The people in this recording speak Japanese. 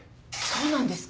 そうなんですか？